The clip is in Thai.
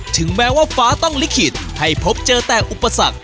ถึงแม้ว่าฟ้าต้องลิขิตให้พบเจอแต่อุปสรรค